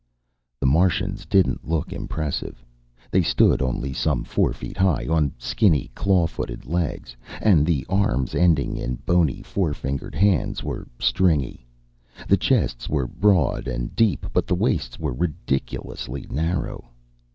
The Martians didn't look impressive. They stood only some four feet high on skinny, claw footed legs, and the arms, ending in bony four fingered hands, were stringy. The chests were broad and deep, but the waists were ridiculously narrow.